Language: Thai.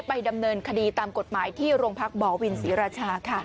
ดำเนินคดีตามกฎหมายที่โรงพักบ่อวินศรีราชาค่ะ